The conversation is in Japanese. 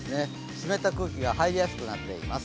湿った空気が入りやすくなっています。